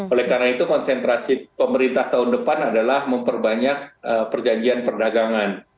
oleh karena itu konsentrasi pemerintah tahun depan adalah memperbanyak perjanjian perdagangan